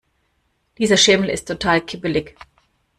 Dieser Schemel ist total kippelig.